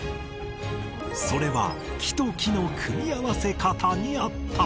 それは木と木の組み合わせ方にあった